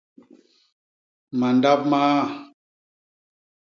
Mandap maa.